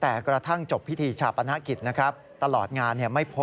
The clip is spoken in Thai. แต่กระทั่งจบพิธีชาปนกิจ